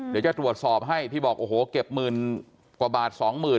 เดี๋ยวจะตรวจสอบให้ที่บอกโอ้โหเก็บหมื่นกว่าบาทสองหมื่น